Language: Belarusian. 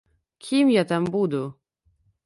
Кім я там буду?